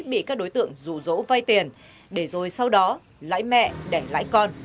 bị các đối tượng rủ rỗ vay tiền để rồi sau đó lãi mẹ để lãi con